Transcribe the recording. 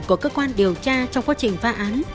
của cơ quan điều tra trong quá trình phá án